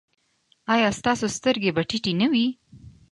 ایا ستاسو سترګې به ټیټې نه وي؟